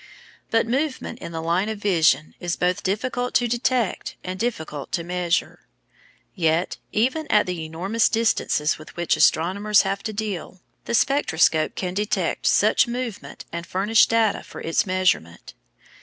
But movement in the line of vision is both difficult to detect and difficult to measure. Yet, even at the enormous distances with which astronomers have to deal, the spectroscope can detect such movement and furnish data for its measurement.